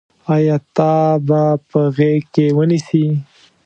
آیا تا به په غېږ کې ونیسي.